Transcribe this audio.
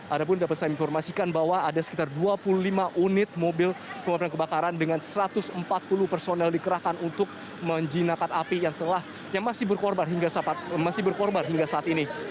ada pun dapat saya informasikan bahwa ada sekitar dua puluh lima unit mobil pemadam kebakaran dengan satu ratus empat puluh personel dikerahkan untuk menjinakkan api yang masih berkorban hingga saat ini